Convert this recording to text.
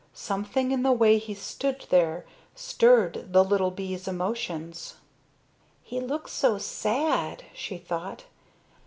Something in the way he stood there stirred the little bee's emotions. "He looks so sad," she thought.